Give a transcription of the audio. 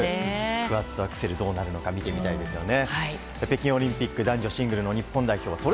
クアッドアクセル、どうなるのか見てみたいですよね。